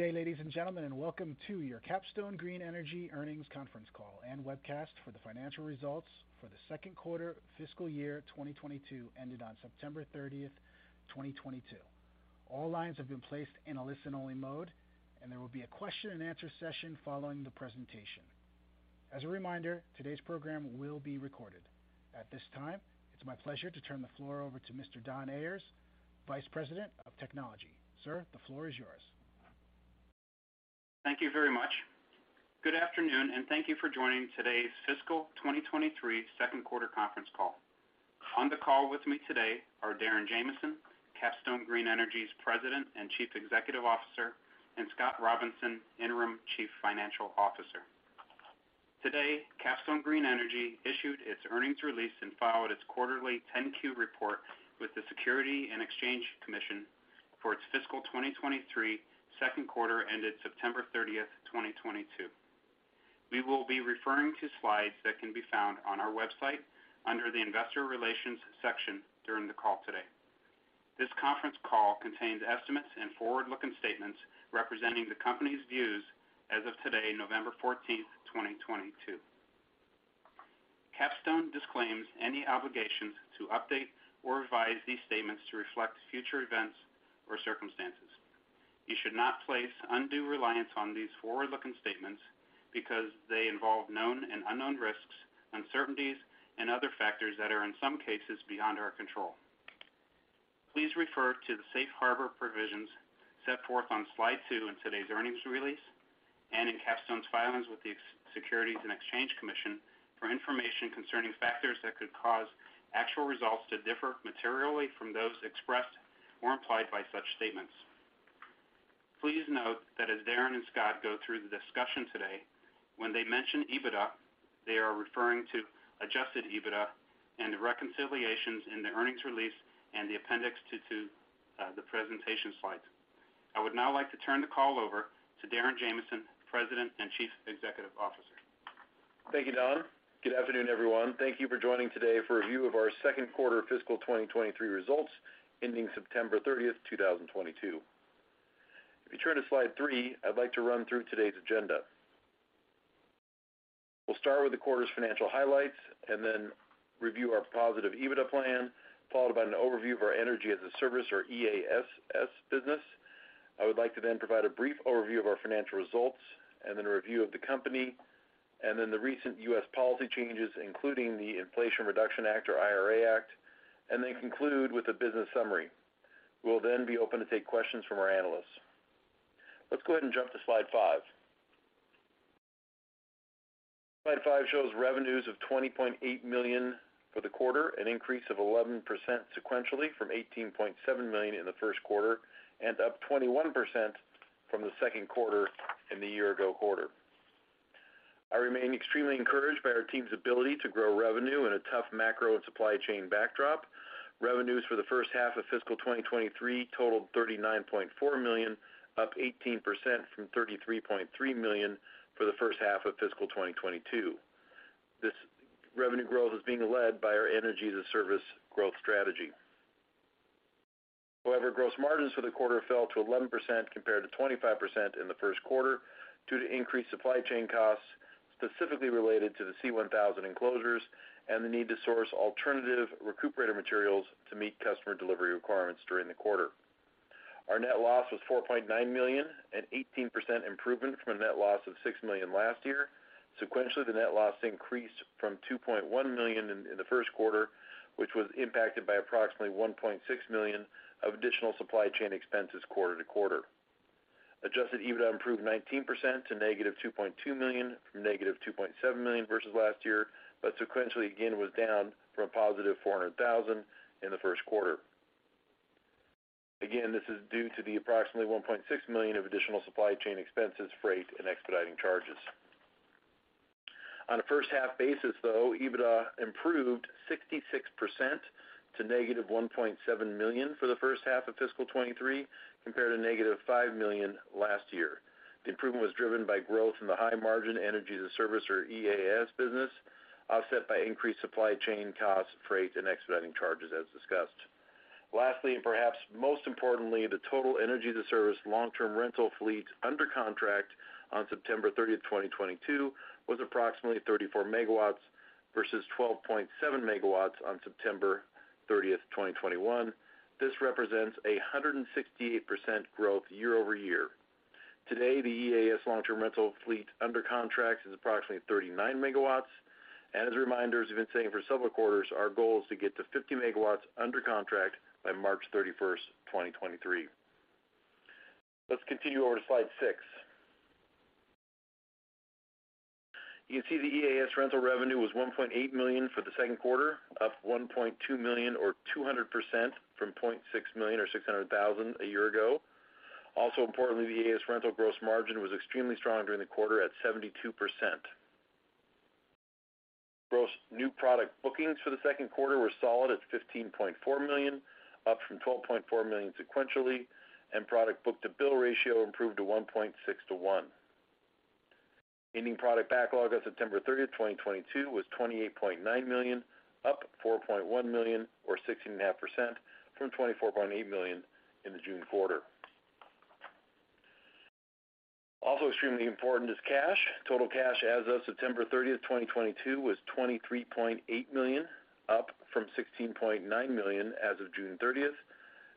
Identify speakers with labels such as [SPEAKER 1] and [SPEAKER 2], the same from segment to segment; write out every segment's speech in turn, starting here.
[SPEAKER 1] Good day, ladies and gentlemen, and welcome to your Capstone Green Energy earnings conference call and webcast for the financial results for the second quarter fiscal year 2022 ended on September 30, 2022. All lines have been placed in a listen-only mode, and there will be a question and answer session following the presentation. As a reminder, today's program will be recorded. At this time, it's my pleasure to turn the floor over to Mr. Don Ayers, Vice President of Technology. Sir, the floor is yours.
[SPEAKER 2] Thank you very much. Good afternoon, and thank you for joining today's fiscal 2023 second-quarter conference call. On the call with me today are Darren Jamison, Capstone Green Energy's President and Chief Executive Officer, and Scott Robinson, Interim Chief Financial Officer. Today, Capstone Green Energy issued its earnings release and filed its quarterly Form 10-Q report with the Securities and Exchange Commission for its fiscal 2023 second quarter ended September 30, 2022. We will be referring to slides that can be found on our website under the Investor Relations section during the call today. This conference call contains estimates and forward-looking statements representing the company's views as of today, November 14, 2022. Capstone disclaims any obligations to update or revise these statements to reflect future events or circumstances. You should not place undue reliance on these forward-looking statements because they involve known and unknown risks, uncertainties, and other factors that are, in some cases, beyond our control. Please refer to the safe harbor provisions set forth on slide two in today's earnings release and in Capstone's filings with the Securities and Exchange Commission for information concerning factors that could cause actual results to differ materially from those expressed or implied by such statements. Please note that as Darren and Scott go through the discussion today, when they mention EBITDA, they are referring to adjusted EBITDA and the reconciliations in the earnings release and the appendix to the presentation slides. I would now like to turn the call over to Darren Jamison, President and Chief Executive Officer.
[SPEAKER 3] Thank you, Don. Good afternoon, everyone. Thank you for joining today for a review of our second quarter fiscal 2023 results ending September 30, 2022. If you turn to slide three, I'd like to run through today's agenda. We'll start with the quarter's financial highlights and then review our positive EBITDA plan, followed by an overview of our Energy as a Service or EaaS business. I would like to then provide a brief overview of our financial results and then a review of the company, and then the recent U.S. policy changes, including the Inflation Reduction Act or IRA, and then conclude with a business summary. We'll then be open to take questions from our analysts. Let's go ahead and jump to slide five. Slide five shows revenues of $20.8 million for the quarter, an increase of 11% sequentially from $18.7 million in the first quarter and up 21% from the second quarter in the year ago quarter. I remain extremely encouraged by our team's ability to grow revenue in a tough macro and supply chain backdrop. Revenues for the first half of fiscal 2023 totaled $39.4 million, up 18% from $33.3 million for the first half of fiscal 2022. This revenue growth is being led by our Energy as a Service growth strategy. However, gross margins for the quarter fell to 11% compared to 25% in the first quarter due to increased supply chain costs, specifically related to the C1000 enclosures and the need to source alternative recuperator materials to meet customer delivery requirements during the quarter. Our net loss was $4.9 million, an 18% improvement from a net loss of $6 million last year. Sequentially, the net loss increased from $2.1 million in the first quarter, which was impacted by approximately $1.6 million of additional supply chain expenses quarter to quarter. Adjusted EBITDA improved 19% to -$2.2 million from -$2.7 million versus last year, but sequentially, again, was down from a positive $400,000 in the first quarter. Again, this is due to the approximately $1.6 million of additional supply chain expenses, freight, and expediting charges. On a first-half basis, though, EBITDA improved 66% to -$1.7 million for the first half of fiscal 2023 compared to -$5 million last year. The improvement was driven by growth in the high-margin Energy as a Service or EaaS business, offset by increased supply chain costs, freight, and expediting charges as discussed. Lastly, and perhaps most importantly, the total Energy as a Service long-term rental fleet under contract on September 30, 2022 was approximately 34 MW versus 12.7 MW on September 30, 2021. This represents 168% growth year-over-year. Today, the EaaS long-term rental fleet under contract is approximately 39 MW. As a reminder, as we've been saying for several quarters, our goal is to get to 50 MW under contract by March 31, 2023. Let's continue over to slide six. You can see the EaaS rental revenue was $1.8 million for the second quarter, up $1.2 million or 200% from $0.6 million or $600,000 a year ago. Also importantly, the EaaS rental gross margin was extremely strong during the quarter at 72%. Gross new product bookings for the second quarter were solid at $15.4 million, up from $12.4 million sequentially, and product book-to-bill ratio improved to 1.6 to 1. Ending product backlog on September 30, 2022 was $28.9 million, up $4.1 million or 16.5% from $24.8 million in the June quarter. Also extremely important is cash. Total cash as of September 30, 2022 was $23.8 million, up from $16.9 million as of June 30,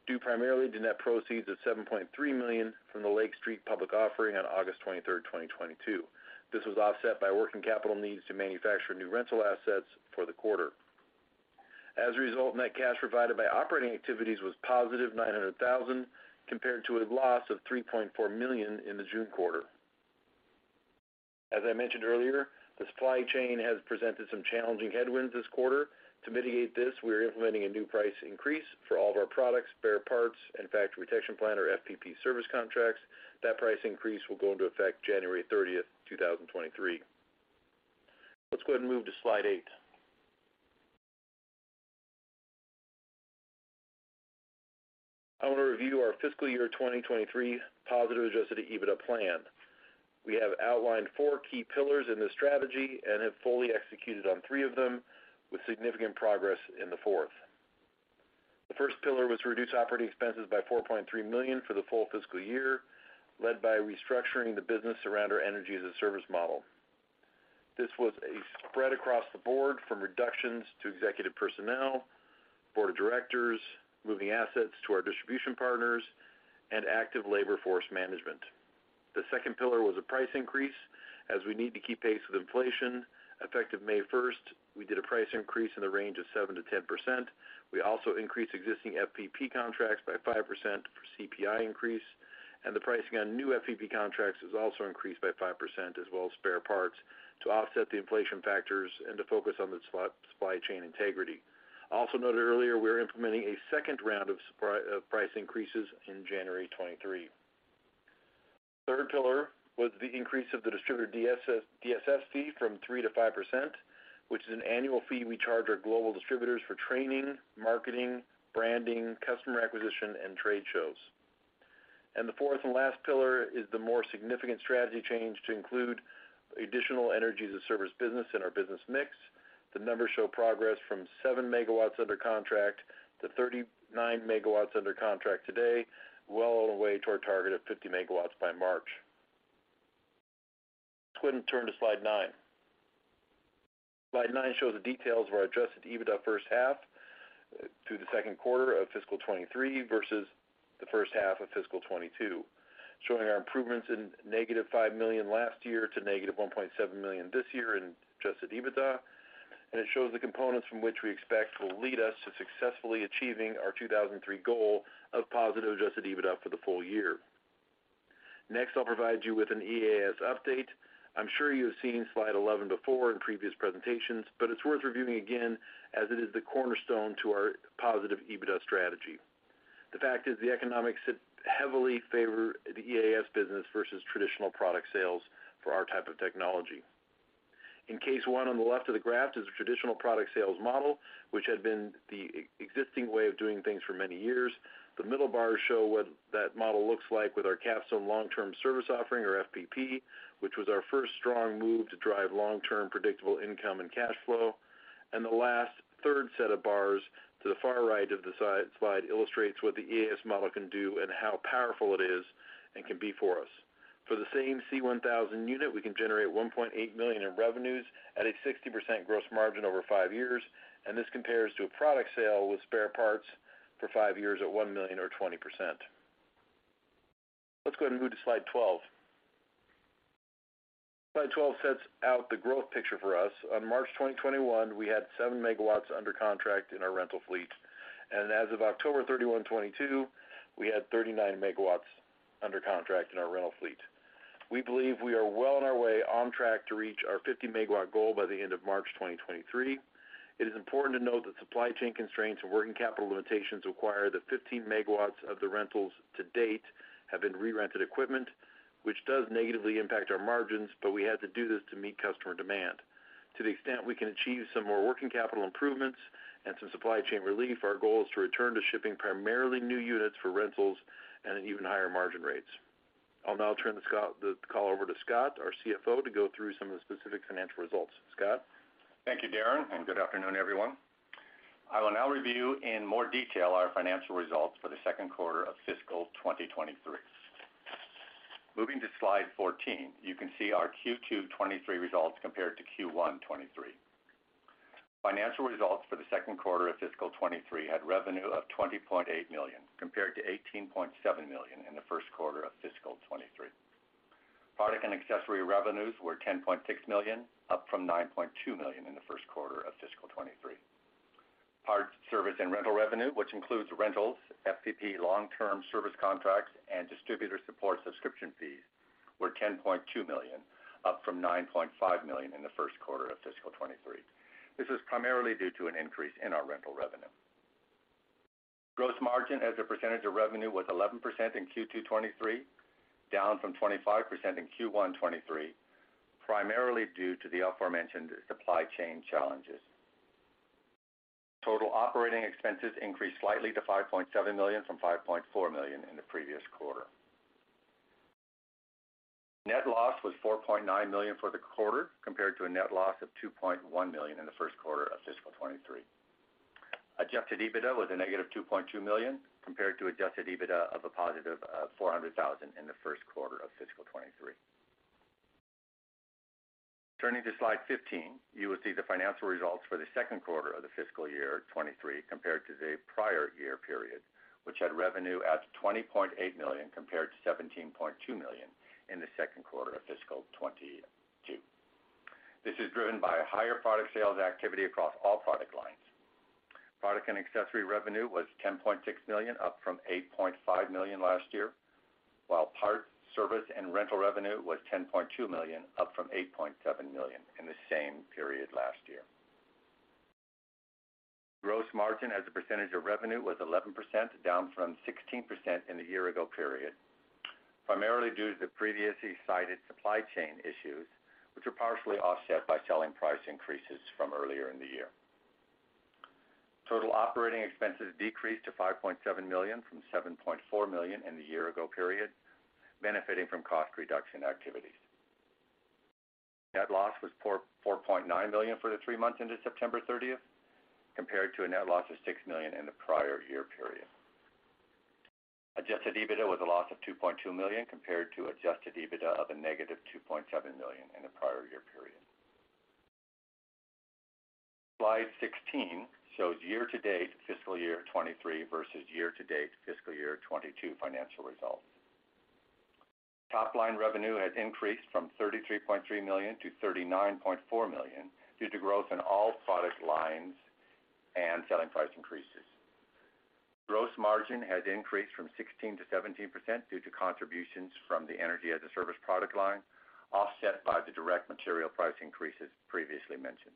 [SPEAKER 3] due primarily to net proceeds of $7.3 million from the Lake Street public offering on August 23, 2022. This was offset by working capital needs to manufacture new rental assets for the quarter. As a result, net cash provided by operating activities was +$900,000, compared to a loss of $3.4 million in the June quarter. As I mentioned earlier, the supply chain has presented some challenging headwinds this quarter. To mitigate this, we are implementing a new price increase for all of our products, spare parts, and Factory Protection Plan or FPP service contracts. That price increase will go into effect January 30, 2023. Let's go ahead and move to slide eight. I want to review our fiscal year 2023 positive adjusted EBITDA plan. We have outlined four key pillars in this strategy and have fully executed on three of them with significant progress in the fourth. The first pillar was to reduce operating expenses by $4.3 million for the full fiscal year, led by restructuring the business around our energy-as-a-service model. This was spread across the board from reductions to executive personnel, board of directors, moving assets to our distribution partners, and active labor force management. The second pillar was a price increase, as we need to keep pace with inflation. Effective May first, we did a price increase in the range of 7%-10%. We also increased existing FPP contracts by 5% for CPI increase, and the pricing on new FPP contracts was also increased by 5% as well as spare parts to offset the inflation factors and to focus on the supply chain integrity. Also noted earlier, we are implementing a second round of price increases in January 2023. Third pillar was the increase of the distributor DSS fee from 3%-5%, which is an annual fee we charge our global distributors for training, marketing, branding, customer acquisition, and trade shows. The fourth and last pillar is the more significant strategy change to include additional Energy as a Service business in our business mix. The numbers show progress from 7 MW under contract to 39 MW under contract today, well on the way to our target of 50 MW by March. Let's go ahead and turn to slide nine. Slide nine shows the details of our adjusted EBITDA first half through the second quarter of fiscal 2023 versus the first half of fiscal 2022, showing our improvements from -$5 million last year to -$1.7 million this year in adjusted EBITDA. It shows the components from which we expect will lead us to successfully achieving our 2023 goal of positive adjusted EBITDA for the full year. Next, I'll provide you with an EaaS update. I'm sure you have seen slide 11 before in previous presentations, but it's worth reviewing again as it is the cornerstone to our positive EBITDA strategy. The fact is, the economics heavily favor the EaaS business versus traditional product sales for our type of technology. The case one on the left of the graph is a traditional product sales model, which had been the existing way of doing things for many years. The middle bars show what that model looks like with our Capstone long-term service offering or FPP, which was our first strong move to drive long-term predictable income and cash flow. The last third set of bars to the far right of the slide illustrates what the EaaS model can do and how powerful it is and can be for us. For the same C1000 unit, we can generate $1.8 million in revenues at a 60% gross margin over five years, and this compares to a product sale with spare parts for five years at $1 million or 20%. Let's go ahead and move to slide 12. Slide 12 sets out the growth picture for us. On March 2021, we had 7 MW under contract in our rental fleet. As of October 31, 2022, we had 39 MW under contract in our rental fleet. We believe we are well on our way on track to reach our 50 MW goal by the end of March 2023. It is important to note that supply chain constraints and working capital limitations require that 15 MW of the rentals to date have been re-rented equipment, which does negatively impact our margins, but we had to do this to meet customer demand. To the extent we can achieve some more working capital improvements and some supply chain relief, our goal is to return to shipping primarily new units for rentals and at even higher margin rates. I'll now turn the call over to Scott, our CFO, to go through some of the specific financial results. Scott?
[SPEAKER 4] Thank you, Darren, and good afternoon, everyone. I will now review in more detail our financial results for the second quarter of fiscal 2023. Moving to slide 14, you can see our Q2 2023 results compared to Q1 2023. Financial results for the second quarter of fiscal 2023 had revenue of $20.8 million, compared to $18.7 million in the first quarter of fiscal 2023. Product and accessory revenues were $10.6 million, up from $9.2 million in the first quarter of fiscal 2023. Parts, service, and rental revenue, which includes rentals, FPP long-term service contracts, and distributor support subscription fees, were $10.2 million, up from $9.5 million in the first quarter of fiscal 2023. This is primarily due to an increase in our rental revenue. Gross margin as a percentage of revenue was 11% in Q2 2023, down from 25% in Q1 2023, primarily due to the aforementioned supply chain challenges. Total operating expenses increased slightly to $5.7 million from $5.4 million in the previous quarter. Net loss was $4.9 million for the quarter, compared to a net loss of $2.1 million in the first quarter of fiscal 2023. Adjusted EBITDA was -$2.2 million compared to adjusted EBITDA of a +$400,000 in the first quarter of fiscal 2023. Turning to Slide 15, you will see the financial results for the second quarter of the fiscal year 2023 compared to the prior year period, which had revenue at $20.8 million compared to $17.2 million in the second quarter of fiscal 2022. This is driven by a higher product sales activity across all product lines. Product and accessory revenue was $10.6 million, up from $8.5 million last year, while parts, service, and rental revenue was $10.2 million, up from $8.7 million in the same period last year. Gross margin as a percentage of revenue was 11%, down from 16% in the year ago period, primarily due to the previously cited supply chain issues, which were partially offset by selling price increases from earlier in the year. Total operating expenses decreased to $5.7 million from $7.4 million in the year ago period, benefiting from cost reduction activities. Net loss was $4.9 million for the three months ended September 30, compared to a net loss of $6 million in the prior year period. Adjusted EBITDA was a loss of $2.2 million compared to adjusted EBITDA of a -$2.7 million in the prior year period. Slide 16 shows year-to-date fiscal year 2023 versus year-to-date fiscal year 2022 financial results. Top line revenue has increased from $33.3 million-$39.4 million due to growth in all product lines and selling price increases. Gross margin has increased from 16% to 17% due to contributions from the Energy as a Service product line, offset by the direct material price increases previously mentioned.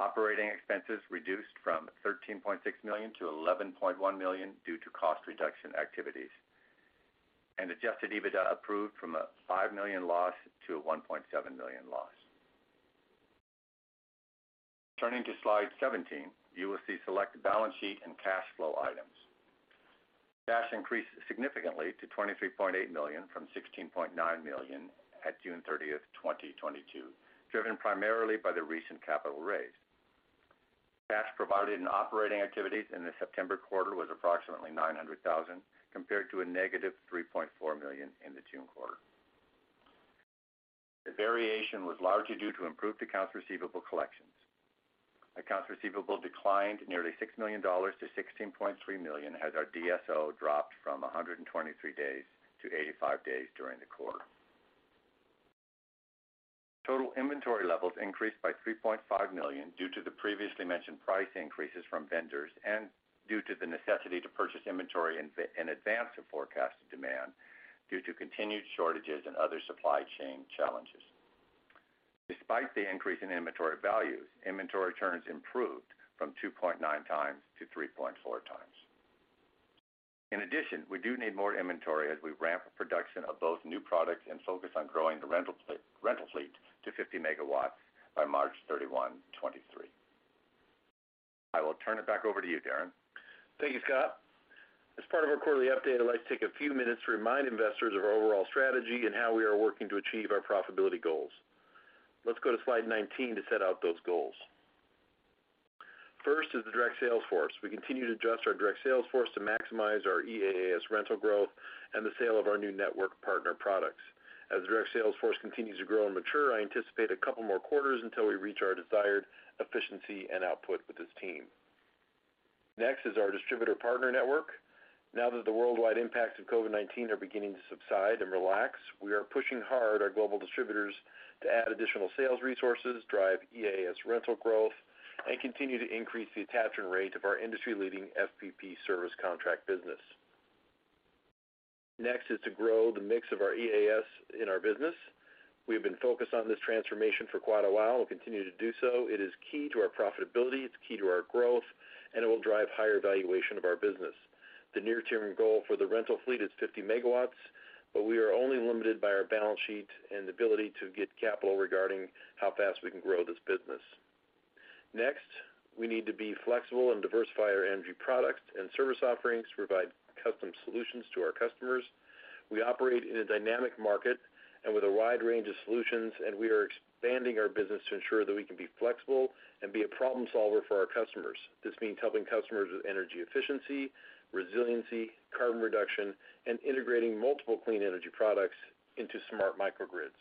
[SPEAKER 4] Operating expenses reduced from $13.6 million to $11.1 million due to cost reduction activities. Adjusted EBITDA improved from a $5 million loss to $1.7 million loss. Turning to Slide 17, you will see select balance sheet and cash flow items. Cash increased significantly to $23.8 million from $16.9 million at June 30, 2022, driven primarily by the recent capital raise. Cash provided in operating activities in the September quarter was approximately $900,000, compared to a -$3.4 million in the June quarter. The variation was largely due to improved accounts receivable collections. Accounts receivable declined nearly $6 million to $16.3 million, as our DSO dropped from 123 days to 85 days during the quarter. Total inventory levels increased by $3.5 million due to the previously mentioned price increases from vendors and due to the necessity to purchase inventory in advance of forecasted demand due to continued shortages and other supply chain challenges. Despite the increase in inventory values, inventory turns improved from 2.9x to 3.4x. In addition, we do need more inventory as we ramp production of both new products and focus on growing the rental fleet to 50 MW by March 31, 2023. I will turn it back over to you, Darren.
[SPEAKER 3] Thank you, Scott. As part of our quarterly update, I'd like to take a few minutes to remind investors of our overall strategy and how we are working to achieve our profitability goals. Let's go to Slide 19 to set out those goals. First is the direct sales force. We continue to adjust our direct sales force to maximize our EaaS rental growth and the sale of our new network partner products. As the direct sales force continues to grow and mature, I anticipate a couple more quarters until we reach our desired efficiency and output with this team. Next is our distributor partner network. Now that the worldwide impacts of COVID-19 are beginning to subside and relax, we are pushing hard our global distributors to add additional sales resources, drive EaaS rental growth, and continue to increase the attachment rate of our industry-leading FPP service contract business. Next is to grow the mix of our EaaS in our business. We have been focused on this transformation for quite a while and will continue to do so. It is key to our profitability, it's key to our growth, and it will drive higher valuation of our business. The near-term goal for the rental fleet is 50 MW, but we are only limited by our balance sheet and ability to get capital regarding how fast we can grow this business. Next, we need to be flexible and diversify our energy products and service offerings to provide custom solutions to our customers. We operate in a dynamic market and with a wide range of solutions, and we are expanding our business to ensure that we can be flexible and be a problem solver for our customers. This means helping customers with energy efficiency, resiliency, carbon reduction, and integrating multiple clean energy products into smart microgrids.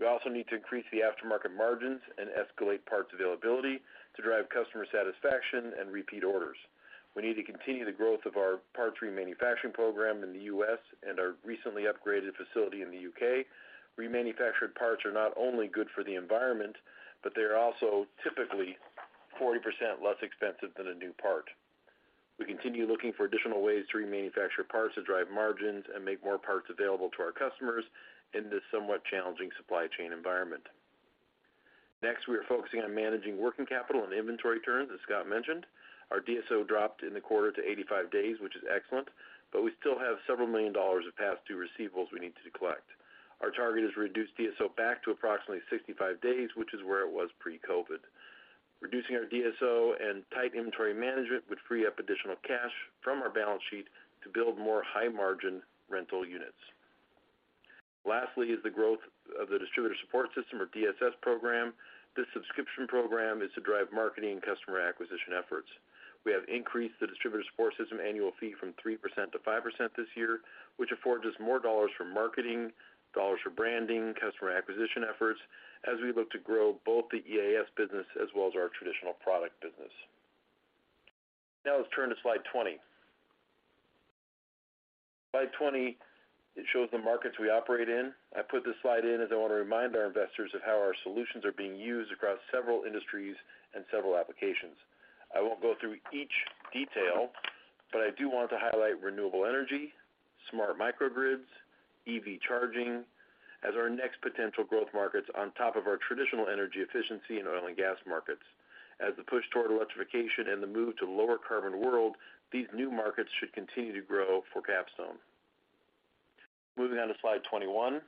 [SPEAKER 3] We also need to increase the aftermarket margins and escalate parts availability to drive customer satisfaction and repeat orders. We need to continue the growth of our parts remanufacturing program in the U.S. and our recently upgraded facility in the U.K. Remanufactured parts are not only good for the environment, but they are also typically 40% less expensive than a new part. We continue looking for additional ways to remanufacture parts to drive margins and make more parts available to our customers in this somewhat challenging supply chain environment. Next, we are focusing on managing working capital and inventory turns, as Scott mentioned. Our DSO dropped in the quarter to 85 days, which is excellent, but we still have several million dolars of past due receivables we need to collect. Our target is reduced DSO back to approximately 65 days, which is where it was pre-COVID. Reducing our DSO and tight inventory management would free up additional cash from our balance sheet to build more high margin rental units. Lastly is the growth of the Distributor Support System or DSS program. This subscription program is to drive marketing and customer acquisition efforts. We have increased the Distributor Support System annual fee from 3% to 5% this year, which affords us more dollars for marketing, dollars for branding, customer acquisition efforts as we look to grow both the EaaS business as well as our traditional product business. Now let's turn to slide 20. Slide 20, it shows the markets we operate in. I put this slide in as I want to remind our investors of how our solutions are being used across several industries and several applications. I won't go through each detail, but I do want to highlight renewable energy, smart microgrids, EV charging as our next potential growth markets on top of our traditional energy efficiency in oil and gas markets. As the push toward electrification and the move to lower carbon world, these new markets should continue to grow for Capstone. Moving on to slide 21.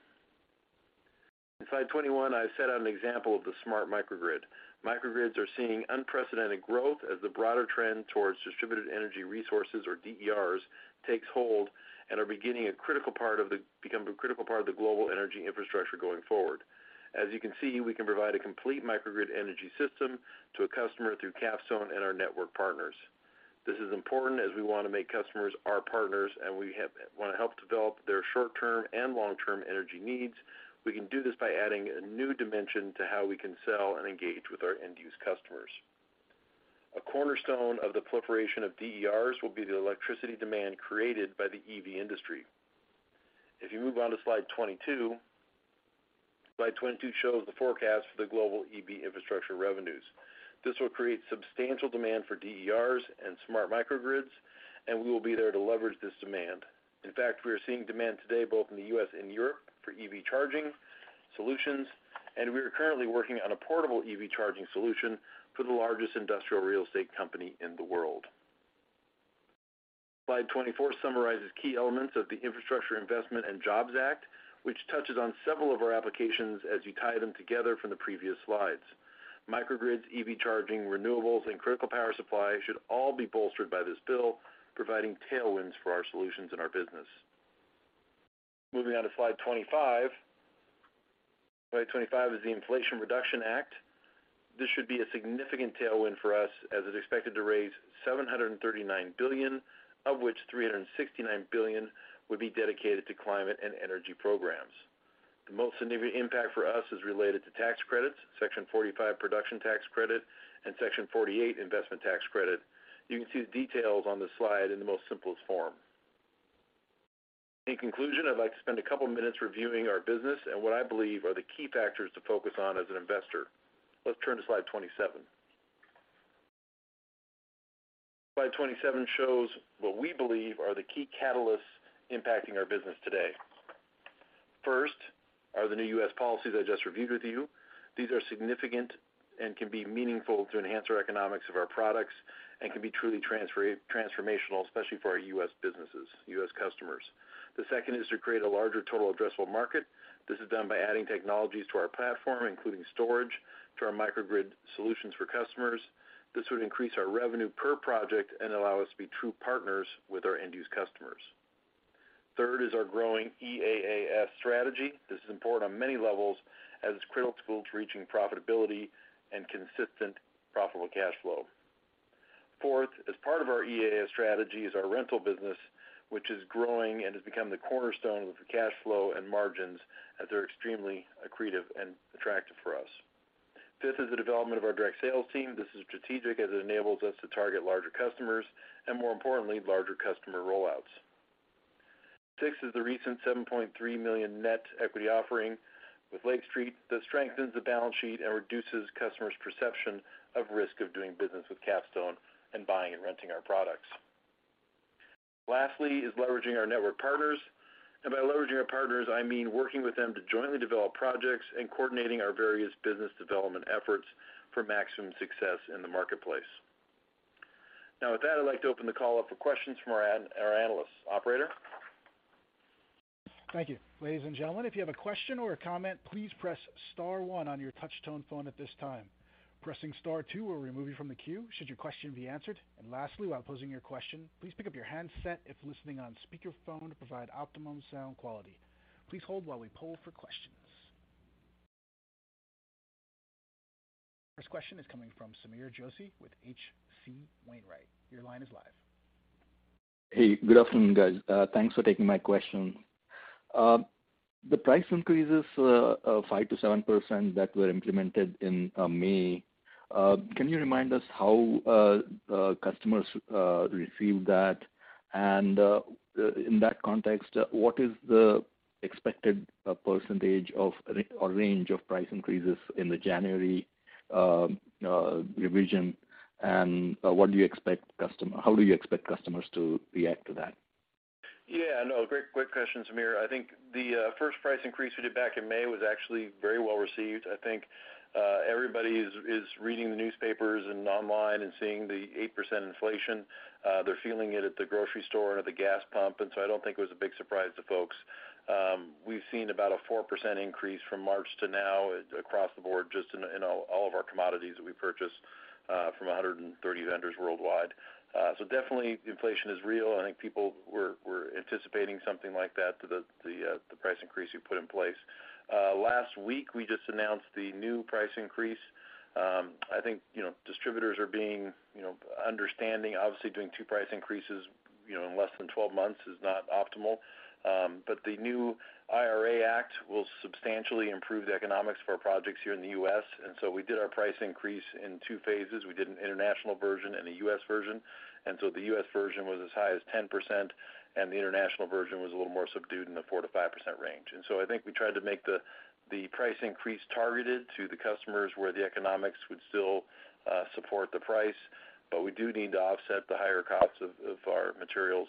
[SPEAKER 3] In slide 21, I set out an example of the smart microgrid. Microgrids are seeing unprecedented growth as the broader trend towards distributed energy resources or DERs takes hold and become a critical part of the global energy infrastructure going forward. As you can see, we can provide a complete microgrid energy system to a customer through Capstone and our network partners. This is important as we want to make customers our partners, and we want to help develop their short-term and long-term energy needs. We can do this by adding a new dimension to how we can sell and engage with our end use customers. A cornerstone of the proliferation of DERs will be the electricity demand created by the EV industry. If you move on to slide 22. Slide 22 shows the forecast for the global EV infrastructure revenues. This will create substantial demand for DERs and smart microgrids, and we will be there to leverage this demand. In fact, we are seeing demand today both in the U.S. and Europe for EV charging solutions, and we are currently working on a portable EV charging solution for the largest industrial real estate company in the world. Slide 24 summarizes key elements of the Infrastructure Investment and Jobs Act, which touches on several of our applications as you tie them together from the previous slides. Microgrids, EV charging, renewables, and critical power supply should all be bolstered by this bill, providing tailwinds for our solutions and our business. Moving on to slide 25. Slide 25 is the Inflation Reduction Act. This should be a significant tailwind for us as it is expected to raise $739 billion, of which $369 billion would be dedicated to climate and energy programs. The most significant impact for us is related to tax credits, Section 45 production tax credit and Section 48 investment tax credit. You can see the details on the slide in the most simplest form. In conclusion, I'd like to spend a couple minutes reviewing our business and what I believe are the key factors to focus on as an investor. Let's turn to slide 27. Slide 27 shows what we believe are the key catalysts impacting our business today. First are the new U.S. policies I just reviewed with you. These are significant and can be meaningful to enhance our economics of our products and can be truly transformational, especially for our U.S. businesses, U.S. customers. The second is to create a larger total addressable market. This is done by adding technologies to our platform, including storage to our microgrid solutions for customers. This would increase our revenue per project and allow us to be true partners with our end use customers. Third is our growing EaaS strategy. This is important on many levels as it's critical to reaching profitability and consistent profitable cash flow. Fourth, as part of our EaaS strategy is our rental business, which is growing and has become the cornerstone with the cash flow and margins as they're extremely accretive and attractive for us. Fifth is the development of our direct sales team. This is strategic as it enables us to target larger customers and more importantly, larger customer rollouts. Six is the recent $7.3 million net equity offering with Lake Street that strengthens the balance sheet and reduces customers' perception of risk of doing business with Capstone and buying and renting our products. Lastly is leveraging our network partners. By leveraging our partners, I mean working with them to jointly develop projects and coordinating our various business development efforts for maximum success in the marketplace. Now with that, I'd like to open the call up for questions from our analysts. Operator?
[SPEAKER 1] Thank you. Ladies and gentlemen, if you have a question or a comment, please press star one on your touch tone phone at this time. Pressing star two will remove you from the queue should your question be answered. Lastly, while posing your question, please pick up your handset if listening on speaker phone to provide optimum sound quality. Please hold while we poll for questions. First question is coming from Sameer Joshi with H.C. Wainwright & Co. Your line is live.
[SPEAKER 5] Hey, good afternoon, guys. Thanks for taking my question. The price increases of 5%-7% that were implemented in May, can you remind us how customers received that? In that context, what is the expected percentage or range of price increases in the January revision? How do you expect customers to react to that?
[SPEAKER 3] Yeah, no. Great question, Sameer. I think the first price increase we did back in May was actually very well received. I think everybody is reading the newspapers and online and seeing the 8% inflation. They're feeling it at the grocery store and at the gas pump. I don't think it was a big surprise to folks. We've seen about a 4% increase from March to now across the board just in all of our commodities that we purchase from 130 vendors worldwide. Definitely inflation is real. I think people were anticipating something like that, the price increase we put in place. Last week, we just announced the new price increase. I think, you know, distributors are being, you know, understanding. Obviously, doing two price increases, you know, in less than 12 months is not optimal. The new IRA Act will substantially improve the economics for our projects here in the U.S. We did our price increase in two phases. We did an international version and a U.S. version. The U.S. version was as high as 10%, and the international version was a little more subdued in the 4%-5% range. I think we tried to make the price increase targeted to the customers where the economics would still support the price, but we do need to offset the higher costs of our materials.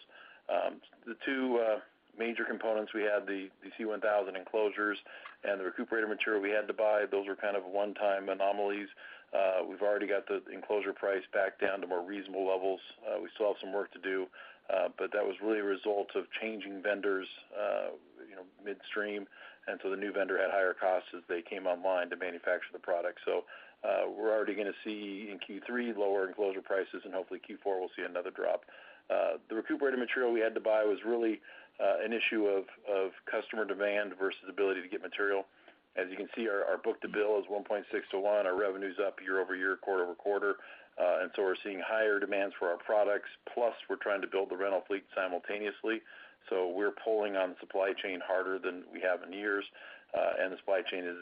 [SPEAKER 3] The two major components we had, the C1000 enclosures and the recuperator material we had to buy, those were kind of one-time anomalies. We've already got the enclosure price back down to more reasonable levels. We still have some work to do, but that was really a result of changing vendors, you know, midstream, and so the new vendor had higher costs as they came online to manufacture the product. We're already gonna see in Q3 lower enclosure prices, and hopefully Q4 we'll see another drop. The recuperator material we had to buy was really an issue of customer demand versus ability to get material. As you can see, our book-to-bill is 1.6 to 1. Our revenue's up year-over-year, quarter-over-quarter. We're seeing higher demands for our products. Plus, we're trying to build the rental fleet simultaneously, so we're pulling on supply chain harder than we have in years, and the supply chain has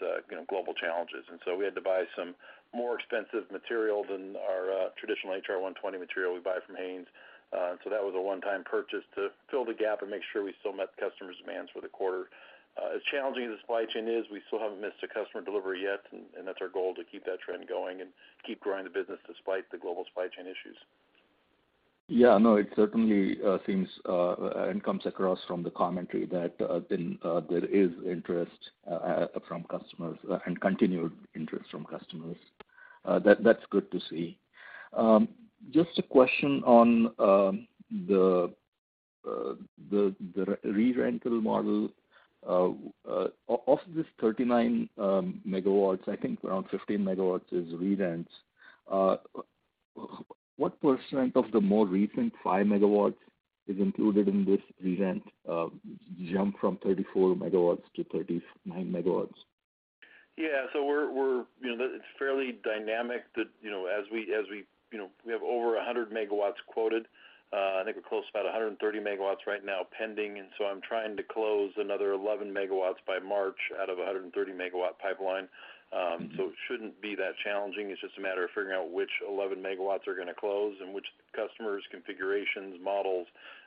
[SPEAKER 3] you know, global challenges. We had to buy some more expensive material than our traditional HR-120 material we buy from Haynes. That was a one-time purchase to fill the gap and make sure we still met the customer's demands for the quarter. As challenging as the supply chain is, we still haven't missed a customer delivery yet, and that's our goal to keep that trend going and keep growing the business despite the global supply chain issues.
[SPEAKER 5] Yeah, no, it certainly seems and comes across from the commentary that then there is interest from customers and continued interest from customers. That's good to see. Just a question on the re-rental model. Of this 39 MW, I think around 15 MW is re-rents. What percent of the more recent 5 MW is included in this re-rent jump from 34 MW to 39 MW?
[SPEAKER 3] Yeah. You know, it's fairly dynamic. You know, we have over 100 MW quoted. I think we're close to about 130 MW right now pending, and I'm trying to close another 11 MW by March out of a 130-megawatt pipeline. It shouldn't be that challenging. It's just a matter of figuring out which 11 MW are gonna close and which customers, configurations, models,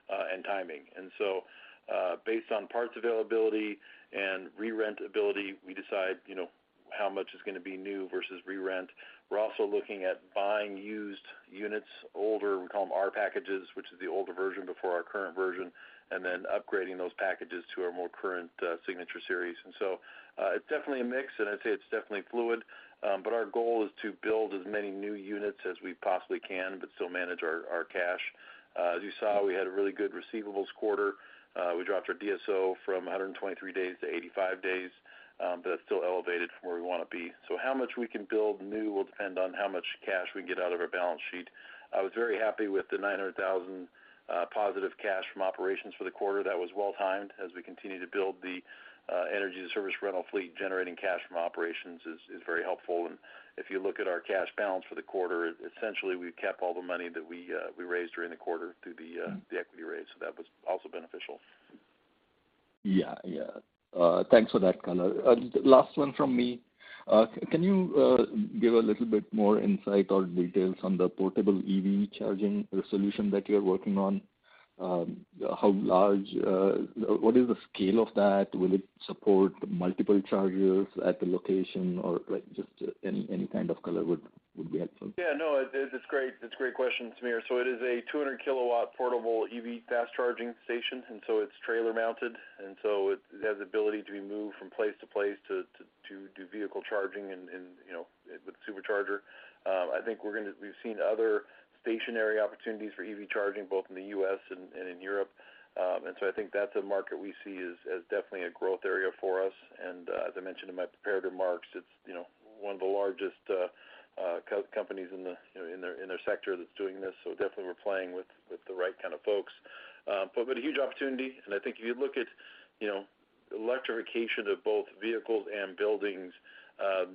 [SPEAKER 3] and timing. Based on parts availability and re-rent ability, we decide, you know, how much is gonna be new versus re-rent. We're also looking at buying used units, older, we call them R packages, which is the older version before our current version, and then upgrading those packages to our more current Signature Series. It's definitely a mix, and I'd say it's definitely fluid. Our goal is to build as many new units as we possibly can, but still manage our cash. As you saw, we had a really good receivables quarter. We dropped our DSO from 123 days to 85 days, but that's still elevated from where we wanna be. How much we can build new will depend on how much cash we can get out of our balance sheet. I was very happy with the $900,000 positive cash from operations for the quarter. That was well-timed. As we continue to build the Energy as a Service rental fleet, generating cash from operations is very helpful. If you look at our cash balance for the quarter, essentially, we've kept all the money that we raised during the quarter through the equity raise, so that was also beneficial.
[SPEAKER 5] Thanks for that color. Last one from me. Can you give a little bit more insight or details on the portable EV charging solution that you're working on? How large, what is the scale of that? Will it support multiple chargers at the location? Or like just any kind of color would be helpful.
[SPEAKER 3] Yeah, no, it's great. It's a great question, Sameer. It is a 200-kilowatt portable EV fast charging station, and it's trailer-mounted, and it has ability to be moved from place to place to do vehicle charging and, you know, with supercharger. I think we've seen other stationary opportunities for EV charging, both in the U.S. and in Europe. I think that's a market we see as definitely a growth area for us. As I mentioned in my prepared remarks, it's, you know, one of the largest companies in the sector that's doing this. Definitely we're playing with the right kind of folks. A huge opportunity, and I think if you look at, you know, electrification of both vehicles and buildings,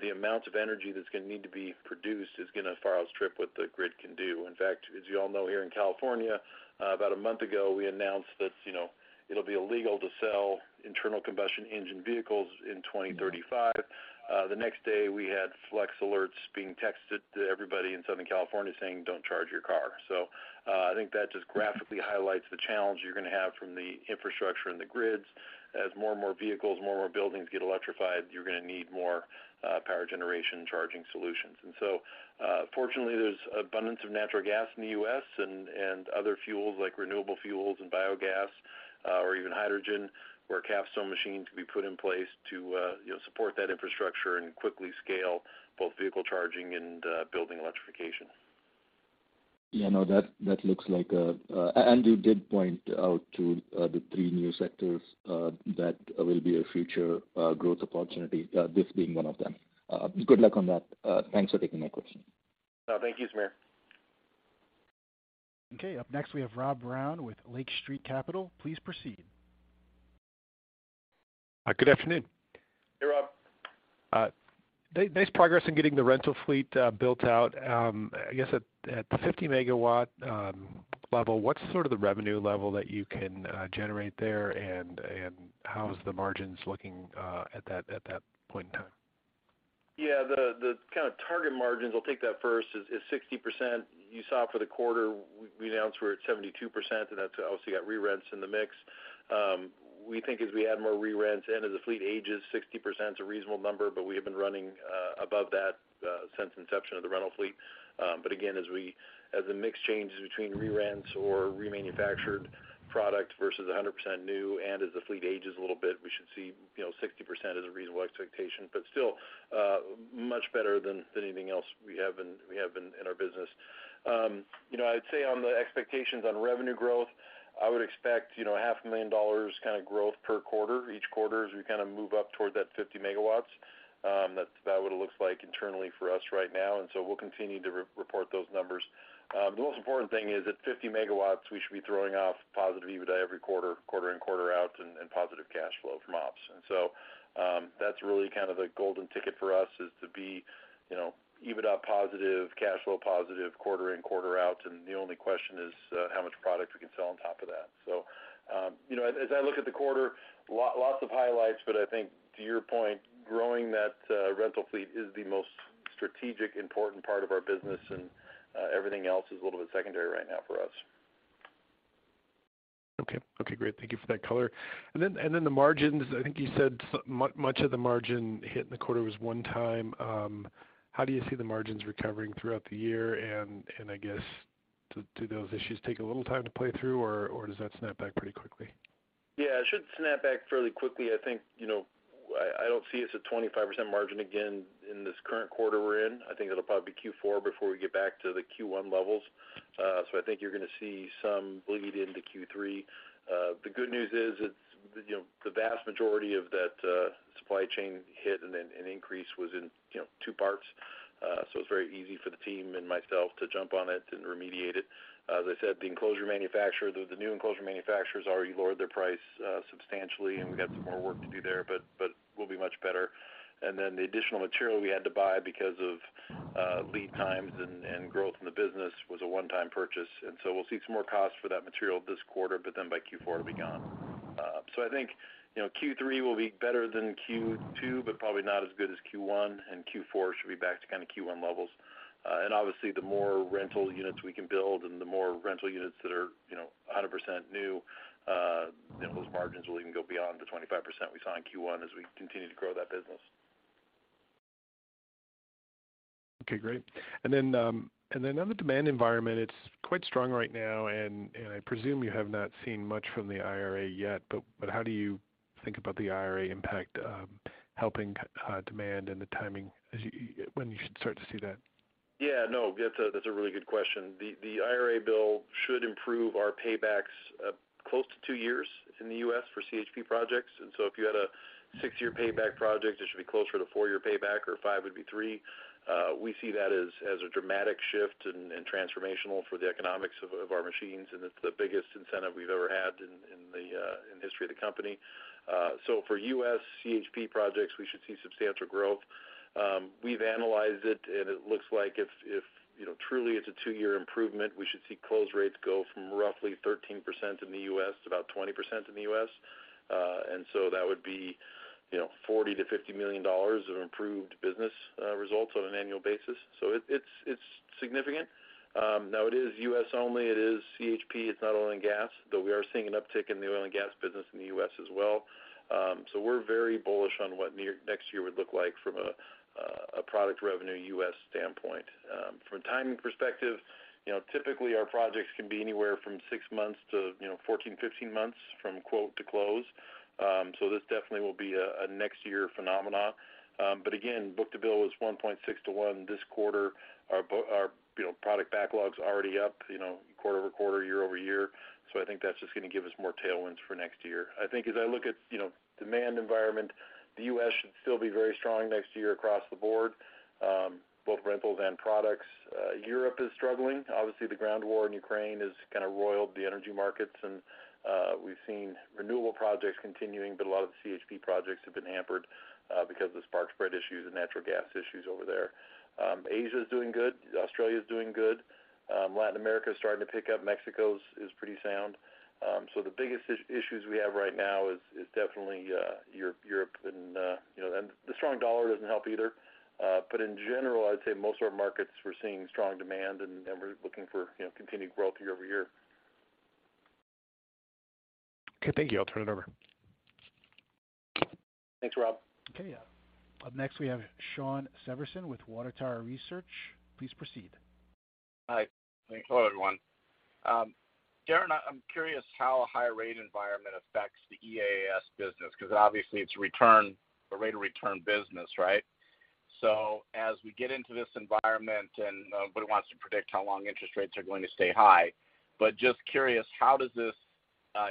[SPEAKER 3] the amount of energy that's gonna need to be produced is gonna far outstrip what the grid can do. In fact, as you all know, here in California, about a month ago, we announced that, you know, it'll be illegal to sell internal combustion engine vehicles in 2035. The next day, we had flex alerts being texted to everybody in Southern California saying, "Don't charge your car." I think that just graphically highlights the challenge you're gonna have from the infrastructure and the grids. As more and more vehicles, more and more buildings get electrified, you're gonna need more power generation charging solutions. Fortunately, there's abundance of natural gas in the U.S. and other fuels like renewable fuels and biogas, or even hydrogen, where a Capstone machine can be put in place to, you know, support that infrastructure and quickly scale both vehicle charging and building electrification.
[SPEAKER 5] Yeah, no, that looks like. You did point out the three new sectors that will be a future growth opportunity, this being one of them. Good luck on that. Thanks for taking my question.
[SPEAKER 3] No, thank you, Sameer.
[SPEAKER 1] Okay, up next, we have Rob Brown with Lake Street Capital. Please proceed.
[SPEAKER 6] Good afternoon.
[SPEAKER 3] Hey, Rob.
[SPEAKER 6] Nice progress in getting the rental fleet built out. I guess at 50 MW level, what's sort of the revenue level that you can generate there and how's the margins looking at that point in time?
[SPEAKER 3] Yeah, the kind of target margins, I'll take that first, is 60%. You saw it for the quarter. We announced we're at 72%, and that's obviously got re-rents in the mix. We think as we add more re-rents in, as the fleet ages, 60%'s a reasonable number, but we have been running above that since inception of the rental fleet. But again, as the mix changes between re-rents or remanufactured product versus 100% new, and as the fleet ages a little bit, we should see, you know, 60% is a reasonable expectation, but still much better than anything else we have been in our business. You know, I'd say on the expectations on revenue growth, I would expect, you know, half a million dollars kind of growth per quarter, each quarter, as we kind of move up toward that 50 MW. That's about what it looks like internally for us right now, and so we'll continue to re-report those numbers. The most important thing is, at 50 MW, we should be throwing off positive EBITDA every quarter in, quarter out, and positive cash flow from ops. That's really kind of the golden ticket for us, is to be, you know, EBITDA positive, cash flow positive, quarter in, quarter out, and the only question is, how much product we can sell on top of that. You know, as I look at the quarter, lots of highlights, but I think to your point, growing that rental fleet is the most strategic important part of our business, and everything else is a little bit secondary right now for us.
[SPEAKER 6] Okay. Okay, great. Thank you for that color. The margins, I think you said so much of the margin hit in the quarter was one-time. How do you see the margins recovering throughout the year? I guess do those issues take a little time to play through, or does that snap back pretty quickly?
[SPEAKER 3] Yeah, it should snap back fairly quickly. I think, you know, I don't see us at 25% margin again in this current quarter we're in. I think it'll probably be Q4 before we get back to the Q1 levels. So I think you're gonna see some bleed into Q3. The good news is it's, you know, the vast majority of that supply chain hit and then an increase was in, you know, two parts. So it's very easy for the team and myself to jump on it and remediate it. As I said, the enclosure manufacturer, the new enclosure manufacturers already lowered their price substantially, and we got some more work to do there, but we'll be much better. Then the additional material we had to buy because of lead times and growth in the business was a one-time purchase. We'll see some more costs for that material this quarter, but then by Q4, it'll be gone. I think, you know, Q3 will be better than Q2, but probably not as good as Q1, and Q4 should be back to kind of Q1 levels. Obviously the more rental units we can build and the more rental units that are, you know, 100% new, then those margins will even go beyond the 25% we saw in Q1 as we continue to grow that business.
[SPEAKER 6] Okay, great. On the demand environment, it's quite strong right now, and I presume you have not seen much from the IRA yet, but how do you think about the IRA impact helping demand and the timing when you should start to see that?
[SPEAKER 3] Yeah, no, that's a really good question. The IRA bill should improve our paybacks close to two years in the U.S. for CHP projects. If you had a six-year payback project, it should be closer to four-year payback, or five would be three. We see that as a dramatic shift and transformational for the economics of our machines, and it's the biggest incentive we've ever had in the history of the company. For U.S. CHP projects, we should see substantial growth. We've analyzed it, and it looks like if you know truly it's a two-year improvement, we should see close rates go from roughly 13% in the U.S. to about 20% in the U.S. That would be, you know, $40 million-$50 million of improved business results on an annual basis. It's significant. Now it is U.S. only. It is CHP. It's not oil and gas, though we are seeing an uptick in the oil and gas business in the U.S. as well. We're very bullish on what next year would look like from a product revenue U.S. standpoint. From a timing perspective, you know, typically our projects can be anywhere from six months to, you know, 14, 15 months from quote to close. This definitely will be a next year phenomenon. Again, book-to-bill is 1.6-to-1 this quarter. Our product backlog's already up, you know, quarter-over-quarter, year-over-year, so I think that's just gonna give us more tailwinds for next year. I think as I look at, you know, demand environment, the U.S. should still be very strong next year across the board, both rentals and products. Europe is struggling. Obviously, the ground war in Ukraine has kind of roiled the energy markets, and we've seen renewable projects continuing, but a lot of the CHP projects have been hampered because of the spark spread issues and natural gas issues over there. Asia is doing good. Australia is doing good. Latin America is starting to pick up. Mexico is pretty sound. The biggest issues we have right now is definitely Europe and, you know, the strong dollar doesn't help either. In general, I'd say most of our markets, we're seeing strong demand and we're looking for, you know, continued growth year over year.
[SPEAKER 6] Okay, thank you. I'll turn it over.
[SPEAKER 3] Thanks, Rob.
[SPEAKER 1] Okay, yeah. Up next, we have Shawn Severson with Water Tower Research. Please proceed.
[SPEAKER 7] Hi. Hello, everyone. Darren, I'm curious how a high rate environment affects the EaaS business because obviously it's a rate of return business, right? As we get into this environment and nobody wants to predict how long interest rates are going to stay high, but just curious, how does this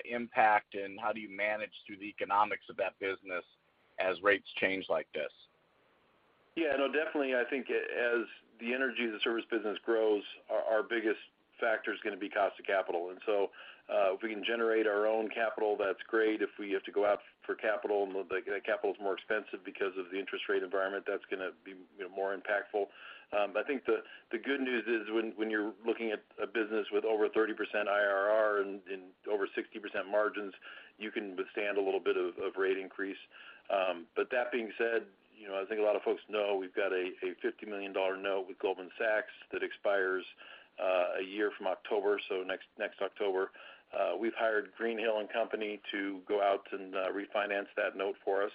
[SPEAKER 7] impact and how do you manage through the economics of that business as rates change like this?
[SPEAKER 3] Yeah. No, definitely, I think as the Energy as a Service business grows, our biggest factor is gonna be cost of capital. If we can generate our own capital, that's great. If we have to go out for capital, and the capital is more expensive because of the interest rate environment, that's gonna be, you know, more impactful. I think the good news is when you're looking at a business with over 30% IRR and over 60% margins, you can withstand a little bit of rate increase. That being said, you know, I think a lot of folks know we've got a $50 million note with Goldman Sachs that expires a year from October, so next October. We've hired Greenhill & Co. to go out and refinance that note for us.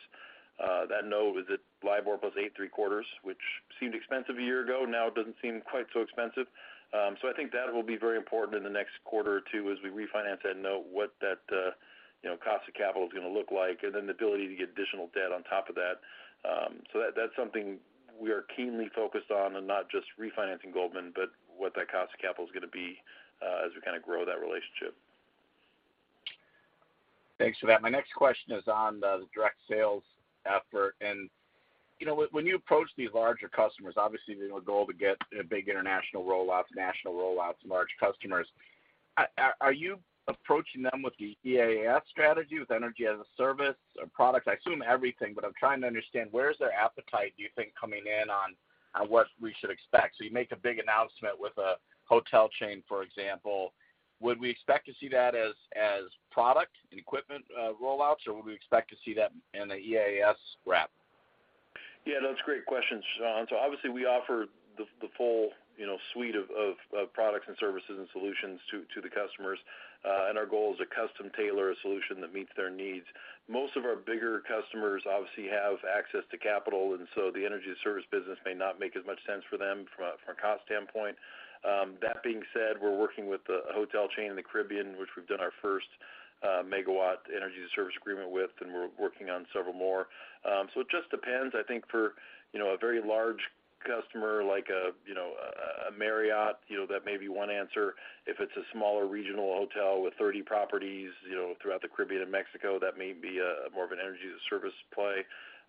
[SPEAKER 3] That note is at LIBOR plus eight and three-quarters, which seemed expensive a year ago. Now it doesn't seem quite so expensive. I think that will be very important in the next quarter or two as we refinance that note, you know, what that cost of capital is gonna look like, and then the ability to get additional debt on top of that. That's something we are keenly focused on, and not just refinancing Goldman Sachs, but what that cost of capital is gonna be, as we kinda grow that relationship.
[SPEAKER 7] Thanks for that. My next question is on the direct sales effort. You know, when you approach these larger customers, obviously, you know, the goal to get, you know, big international rollouts, national rollouts, large customers. Are you approaching them with the EaaS strategy, with Energy as a Service or product? I assume everything, but I'm trying to understand, where is their appetite, do you think, coming in on what we should expect? You make a big announcement with a hotel chain, for example. Would we expect to see that as product and equipment rollouts, or would we expect to see that in the EaaS wrap?
[SPEAKER 3] Yeah, that's a great question, Shawn. Obviously, we offer the full, you know, suite of products and services and solutions to the customers. Our goal is to custom tailor a solution that meets their needs. Most of our bigger customers obviously have access to capital, and so the Energy as a Service business may not make as much sense for them from a cost standpoint. That being said, we're working with a hotel chain in the Caribbean, which we've done our first megawatt Energy as a Service agreement with, and we're working on several more. It just depends. I think for a very large customer like a Marriott, you know, that may be one answer. If it's a smaller regional hotel with 30 properties, you know, throughout the Caribbean and Mexico, that may be a more of an Energy as a Service play.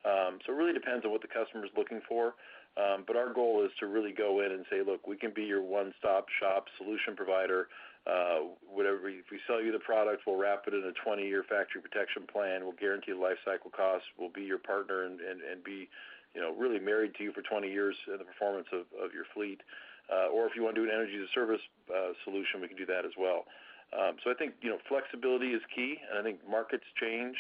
[SPEAKER 3] So it really depends on what the customer's looking for. But our goal is to really go in and say, "Look, we can be your one-stop shop solution provider. If we sell you the product, we'll wrap it in a 20-year Factory Protection Plan. We'll guarantee the lifecycle cost. We'll be your partner and be, you know, really married to you for 20 years in the performance of your fleet. Or if you wanna do an Energy as a Service solution, we can do that as well." So I think, you know, flexibility is key, and I think markets change.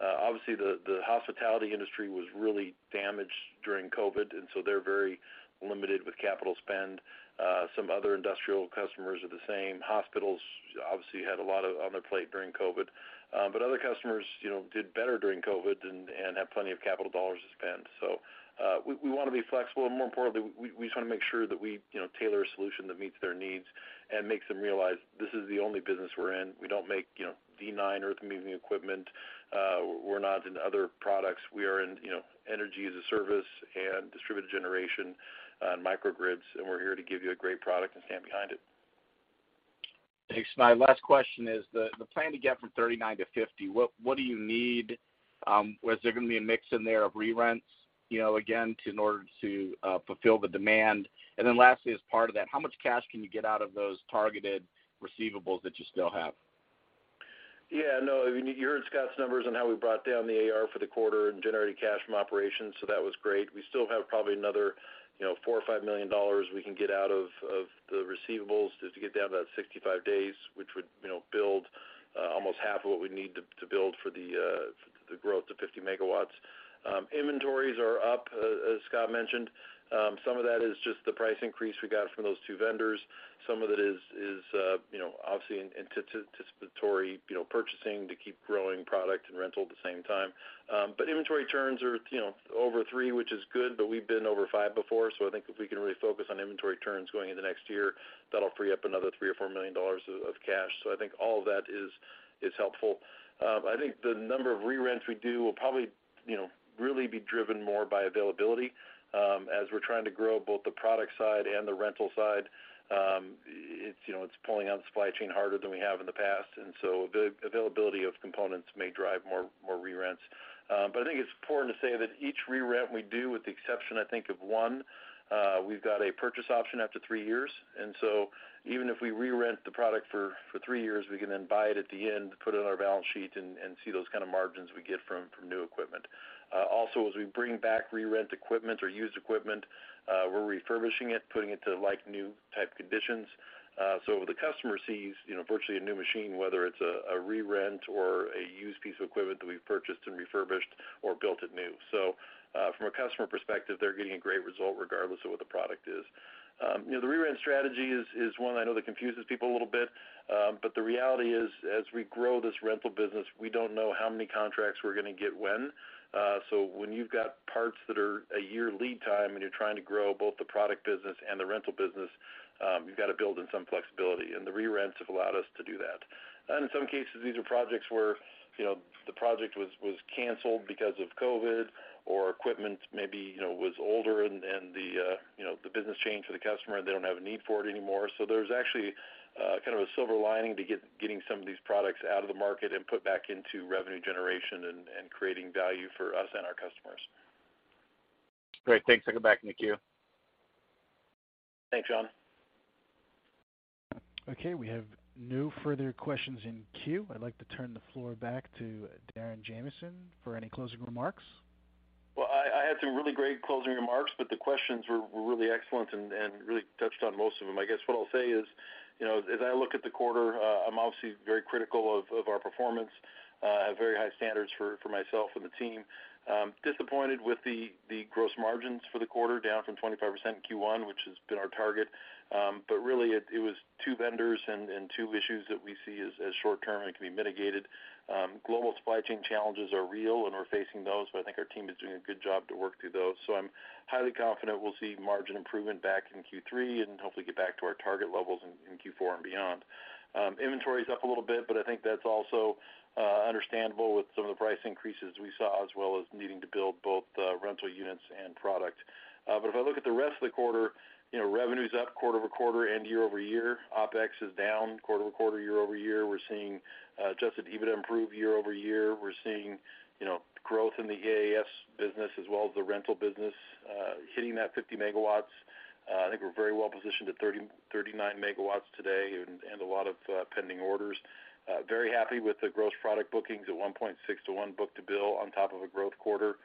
[SPEAKER 3] Obviously, the hospitality industry was really damaged during COVID, so they're very limited with capital spend. Some other industrial customers are the same. Hospitals obviously had a lot on their plate during COVID. Other customers, you know, did better during COVID and have plenty of capital dollars to spend. We wanna be flexible, and more importantly, we just wanna make sure that we, you know, tailor a solution that meets their needs and makes them realize this is the only business we're in. We don't make, you know, D9 earth-moving equipment. We're not into other products. We are in, you know, Energy as a Service and distributed generation and microgrids, and we're here to give you a great product and stand behind it.
[SPEAKER 7] Thanks. My last question is the plan to get from 39 to 50, what do you need? Was there gonna be a mix in there of re-rents, you know, again, in order to fulfill the demand? Then lastly, as part of that, how much cash can you get out of those targeted receivables that you still have?
[SPEAKER 3] Yeah, no. I mean, you heard Scott's numbers on how we brought down the AR for the quarter and generated cash from operations, so that was great. We still have probably another, you know, $4 million or $5 million we can get out of the receivables just to get down to about 65 days, which would, you know, build almost half of what we'd need to build for the growth to 50 MW. Inventories are up, as Scott mentioned. Some of that is just the price increase we got from those two vendors. Some of it is obviously anticipatory, you know, purchasing to keep growing product and rental at the same time. But inventory turns are, you know, over three, which is good, but we've been over five before. I think if we can really focus on inventory turns going into next year, that'll free up another $3 million-$4 million of cash. I think all of that is helpful. I think the number of re-rents we do will probably, you know, really be driven more by availability, as we're trying to grow both the product side and the rental side. It's, you know, pulling on supply chain harder than we have in the past, and so availability of components may drive more re-rents. I think it's important to say that each re-rent we do, with the exception, I think, of one, we've got a purchase option after three years. Even if we re-rent the product for three years, we can then buy it at the end, put it on our balance sheet and see those kind of margins we get from new equipment. Also, as we bring back re-rent equipment or used equipment, we're refurbishing it, putting it to like-new type conditions. The customer sees, you know, virtually a new machine, whether it's a re-rent or a used piece of equipment that we've purchased and refurbished or built it new. From a customer perspective, they're getting a great result regardless of what the product is. You know, the re-rent strategy is one I know that confuses people a little bit. But the reality is, as we grow this rental business, we don't know how many contracts we're gonna get when. When you've got parts that are a year lead time and you're trying to grow both the product business and the rental business, you've gotta build in some flexibility, and the re-rents have allowed us to do that. In some cases, these are projects where, you know, the project was canceled because of COVID or equipment maybe, you know, was older and the business changed for the customer, and they don't have a need for it anymore. There's actually kind of a silver lining to getting some of these products out of the market and put back into revenue generation and creating value for us and our customers.
[SPEAKER 7] Great. Thanks. I go back in the queue.
[SPEAKER 3] Thanks, Shawn.
[SPEAKER 1] Okay, we have no further questions in queue. I'd like to turn the floor back to Darren Jamison for any closing remarks.
[SPEAKER 3] Well, I had some really great closing remarks, but the questions were really excellent and really touched on most of them. I guess what I'll say is, you know, as I look at the quarter, I'm obviously very critical of our performance. I have very high standards for myself and the team. Disappointed with the gross margins for the quarter, down from 25% in Q1, which has been our target. Really it was two vendors and two issues that we see as short-term and can be mitigated. Global supply chain challenges are real, and we're facing those, but I think our team is doing a good job to work through those. I'm highly confident we'll see margin improvement back in Q3 and hopefully get back to our target levels in Q4 and beyond. Inventory is up a little bit, but I think that's also understandable with some of the price increases we saw, as well as needing to build both rental units and product. If I look at the rest of the quarter, you know, revenue's up quarter-over-quarter and year-over-year. OpEx is down quarter-over-quarter, year-over-year. We're seeing adjusted EBITDA improve year-over-year. We're seeing, you know, growth in the AAS business as well as the rental business hitting that 50 MW. I think we're very well positioned at 39 MW today and a lot of pending orders. Very happy with the gross product bookings at 1.6 to 1 book-to-bill on top of a growth quarter.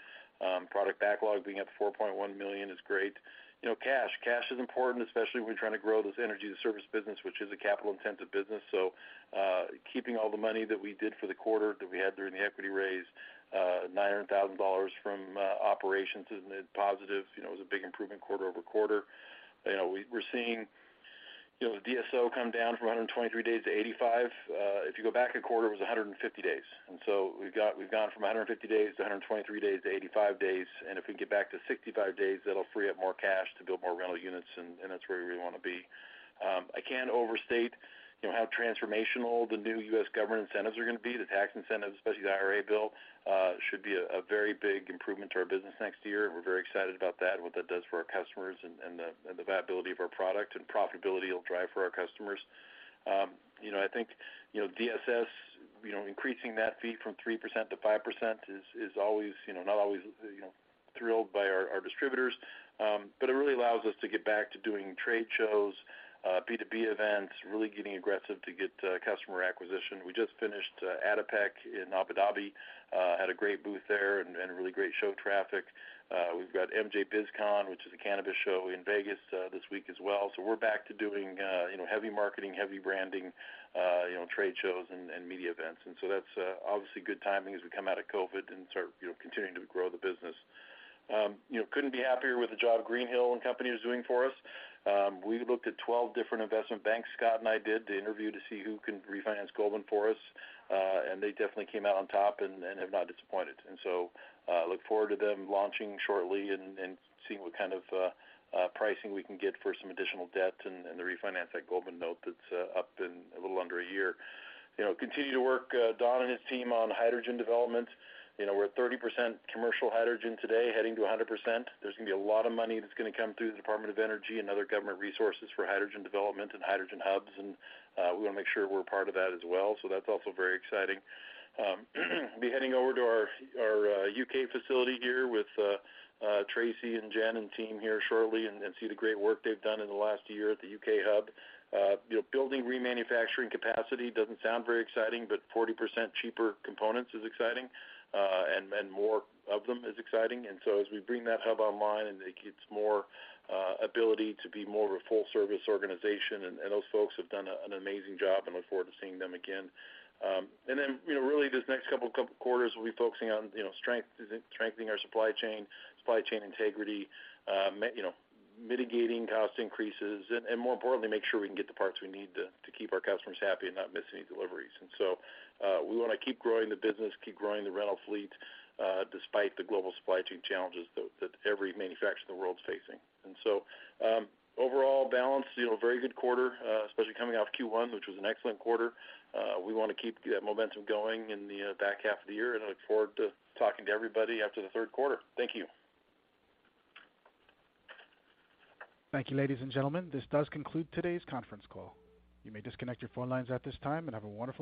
[SPEAKER 3] Product backlog being at $4.1 million is great. You know, cash. Cash is important, especially when we're trying to grow this energy service business, which is a capital-intensive business. Keeping all the money that we did for the quarter that we had during the equity raise, $900,000 from operations is positive. You know, it was a big improvement quarter-over-quarter. You know, we're seeing, you know, the DSO come down from 123 days to 85. If you go back a quarter, it was 150 days. We've gone from 150 days to 123 days to 85 days, and if we can get back to 65 days, that'll free up more cash to build more rental units, and that's where we wanna be. I can't overstate, you know, how transformational the new U.S. government incentives are gonna be. The tax incentives, especially the IRA bill, should be a very big improvement to our business next year. We're very excited about that and what that does for our customers and the viability of our product and profitability it'll drive for our customers. I think, you know, DSS, you know, increasing that fee from 3% to 5% is not always, you know, thrilled by our distributors. It really allows us to get back to doing trade shows, B2B events, really getting aggressive to get customer acquisition. We just finished ADIPEC in Abu Dhabi, had a great booth there and really great show traffic. We've got MJBizCon, which is a cannabis show in Vegas, this week as well. We're back to doing, you know, heavy marketing, heavy branding, you know, trade shows and media events. That's obviously good timing as we come out of COVID and start, you know, continuing to grow the business. You know, couldn't be happier with the job Greenhill & Co. is doing for us. We looked at 12 different investment banks, Scott and I did, to interview to see who can refinance Goldman for us. They definitely came out on top and have not disappointed. Look forward to them launching shortly and seeing what kind of pricing we can get for some additional debt and the refinance that Goldman Sachs note that's up in a little under a year. You know, continue to work, Don and his team on hydrogen development. You know, we're at 30% commercial hydrogen today, heading to 100%. There's gonna be a lot of money that's gonna come through the Department of Energy and other government resources for hydrogen development and hydrogen hubs, and we wanna make sure we're part of that as well. That's also very exciting. We'll be heading over to our U.K. facility here with Tracy and Jen and team here shortly and see the great work they've done in the last year at the U.K. hub. You know, building remanufacturing capacity doesn't sound very exciting, but 40% cheaper components is exciting, and more of them is exciting. As we bring that hub online and it gets more ability to be more of a full service organization, and those folks have done an amazing job and look forward to seeing them again. You know, really this next couple quarters, we'll be focusing on, you know, strengthening our supply chain integrity, you know, mitigating cost increases, and more importantly, make sure we can get the parts we need to keep our customers happy and not miss any deliveries. We wanna keep growing the business, keep growing the rental fleet, despite the global supply chain challenges that every manufacturer in the world is facing. Overall balance, you know, very good quarter, especially coming off Q1, which was an excellent quarter. We wanna keep that momentum going in the back half of the year, and I look forward to talking to everybody after the third quarter. Thank you.
[SPEAKER 1] Thank you, ladies and gentlemen. This does conclude today's conference call. You may disconnect your phone lines at this time and have a wonderful day.